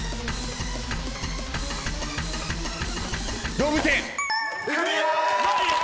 動物園！